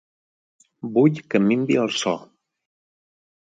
Vull que minvi el so.